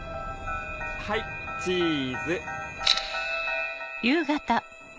はいチーズ。